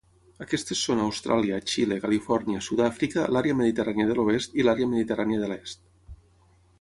Aquestes són Austràlia, Xile, Califòrnia, Sud-àfrica, l'àrea mediterrània de l'oest i l'àrea mediterrània de l'est.